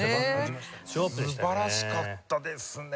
素晴らしかったですね。